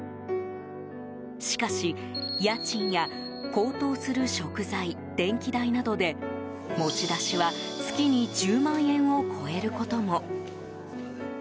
しかし、家賃や高騰する食材電気代などで持ち出しは月に１０万円を超えることも。